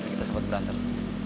kita sempet berantem